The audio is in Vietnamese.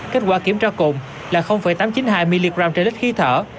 kết quả kiểm tra cồn là tám trăm chín mươi hai mg trên lít khí thở